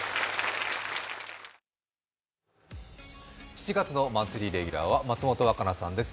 ７月のマンスリーレギュラーは松本若菜さんです。